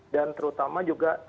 dan terutama juga